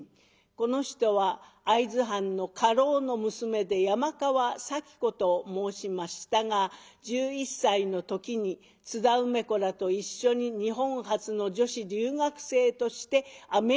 この人は会津藩の家老の娘で山川咲子と申しましたが１１歳の時に津田梅子らと一緒に日本初の女子留学生としてアメリカへ渡った方。